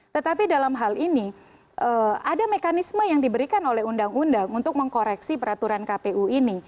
tetapi dalam hal ini ada mekanisme yang diberikan oleh undang undang untuk mengkoreksi peraturan kpu ini